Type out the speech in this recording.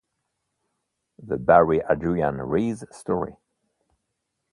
The Barry Adrian Reese Story.